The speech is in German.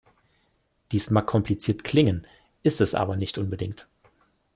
Dies mag kompliziert klingen, ist es aber nicht unbedingt.